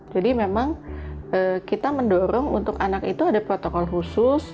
jadi memang kita mendorong untuk anak itu ada protokol khusus